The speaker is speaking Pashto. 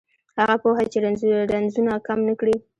هغه پوهه چې رنځونه کم نه کړي